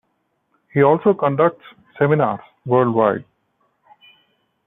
He also conducts seminars worldwide.